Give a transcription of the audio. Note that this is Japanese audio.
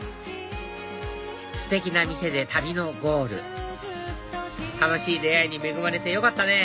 ステキな店で旅のゴール楽しい出会いに恵まれてよかったね！